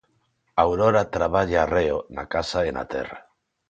Aurora traballa arreo, na casa e na terra.